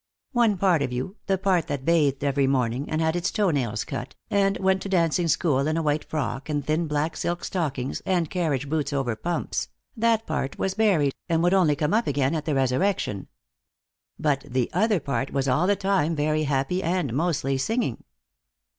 One part of you, the part that bathed every morning and had its toe nails cut, and went to dancing school in a white frock and thin black silk stockings and carriage boots over pumps, that part was buried and would only came up again at the Resurrection. But the other part was all the time very happy, and mostly singing.